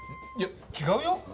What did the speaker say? いや違うよ